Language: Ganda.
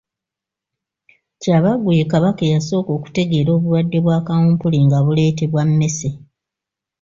Kyabaggu ye Kabaka eyasooka okutegeera obulwadde bwa kawumpuli nga buleetebwa mmese.